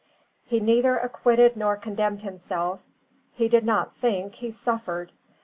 He neither acquitted nor condemned himself: he did not think, he suffered.